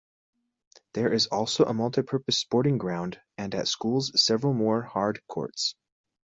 There is also a multipurpose sporting ground and at schools several more hard courts.